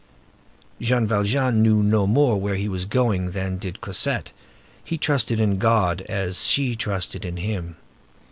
Jean Valjean knew no more where he was going than did Cosette. He trusted in God, as she trusted in him.